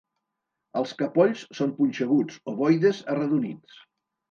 Els capolls són punxeguts, ovoides, arredonits.